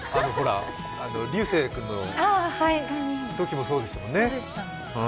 流星君のときもそうでしたもんね。